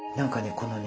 このね